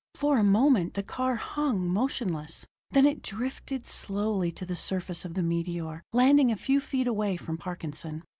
For a moment the car hung motionless, then it drifted slowly to the surface of the meteor, landing a few feet away from Parkinson.